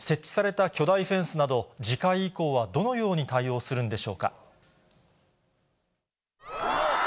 設置された巨大フェンスなど、次回以降はどのように対応するんでしょうか。